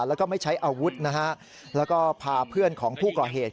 แล้วก็ไม่ใช้อาวุธนะฮะแล้วก็พาเพื่อนของผู้ก่อเหตุ